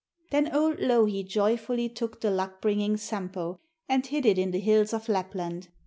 Then old Louhi joyfully took the luck bringing Sampo and hid it in the hills of Lapland.